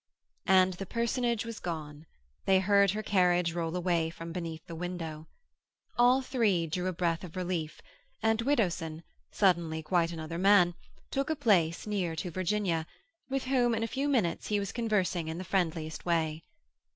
And the personage was gone; they heard her carriage roll away from beneath the window. All three drew a breath of relief, and Widdowson, suddenly quite another man, took a place near to Virginia, with whom in a few minutes he was conversing in the friendliest way.